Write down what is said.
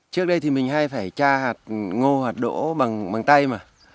trước đây thì mình hay phải cha hạt ngô hạt đỗ bằng tay mà